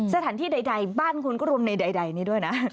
สถานที่ใดบ้านคุณก็รวมในใดนี้ด้วยนะ